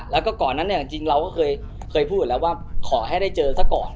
แล้วก็ก่อนนั้นเนี่ยจริงเราก็เคยพูดอยู่แล้วว่าขอให้ได้เจอซะก่อน